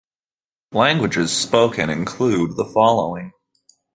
Languages spoken include the following.